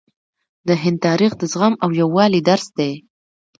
د هند تاریخ د زغم او یووالي درس دی.